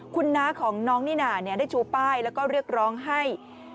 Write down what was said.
คุณน้าของน้องนิน่าได้ชูป้ายแล้วก็เรียกร้องให้